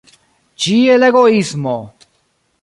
Ĉie, la egoismo!